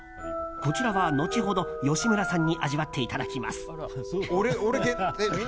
こちらは後ほど吉村さんに味わっていただきます。